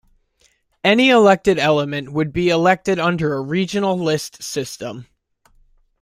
Any elected element would be elected under a regional list system.